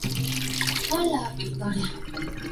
Además, fue integrante del Grupo de Barranquilla.